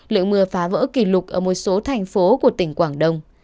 lượng mưa phá vỡ kỷ lục ở một số thành phố của tỉnh quảng đông